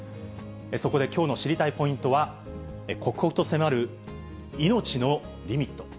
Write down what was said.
そこできょうの知りたいポイントは、刻々と迫る命のリミット。